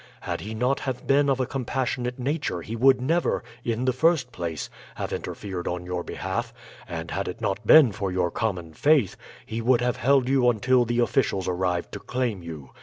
Had he not have been of a compassionate nature he would never, in the first place, have interfered on your behalf; and had it not been for your common faith, he would have held you until the officials arrived to claim you.